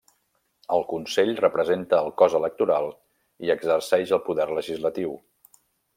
El Consell representa el cos electoral i exerceix el poder legislatiu.